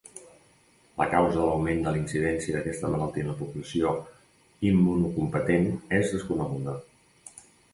La causa de l'augment de la incidència d'aquesta malaltia en la població immunocompetent és desconeguda.